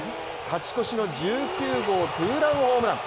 勝ち越しの１９号ツーランホームラン。